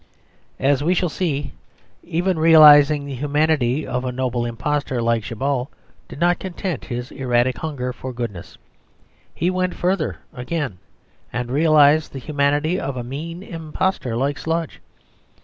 As we shall see, even realising the humanity of a noble impostor like Djabal did not content his erratic hunger for goodness. He went further again, and realised the humanity of a mean impostor like Sludge.